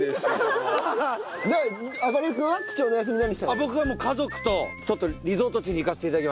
僕は家族とちょっとリゾート地に行かせて頂きました。